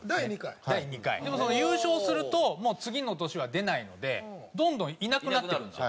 でもそれ優勝するともう次の年は出ないのでどんどんいなくなっていくんですよ。